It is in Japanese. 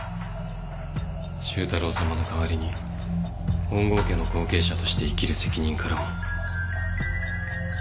周太郎さまの代わりに本郷家の後継者として生きる責任からも。